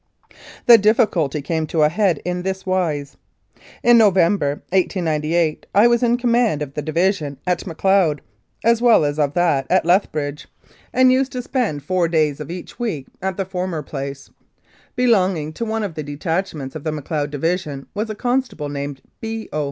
The difficulty came to a head in this wise : In November, 1898, I was in command of the division at Macleod as well as of that at Lethbridge, and used to 132 i Mounted Police Law spend four days of each week at the former place. Belonging to one of the detachments of the Macleod Division was a constable named B. O.